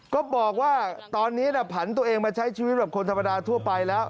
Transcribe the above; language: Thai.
ก็บอกว่าตอนนี้ผันตัวเองมาใช้ชีวิตแบบคนธรรมดาทั่วไปแล้ว